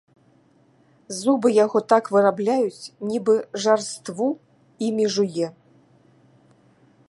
Зубы яго так вырабляюць, нібы жарству імі жуе.